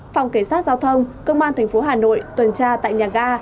phòng cảnh sát giao thông công an thành phố hà nội tuần tra tại nhà ga